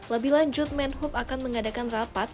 lebih lanjut menhub akan mengadakan rapat